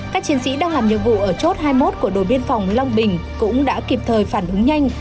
các chiến sĩ đang làm nhiệm vụ ở chốt hai mươi một của đồn biên phòng long bình cũng đã kịp thời phản ứng nhanh